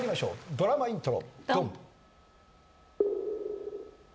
ドラマイントロドン！